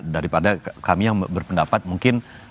daripada kami yang berpendapat mungkin